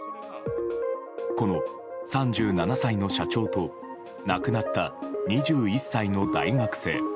この３７歳の社長と亡くなった２１歳の大学生。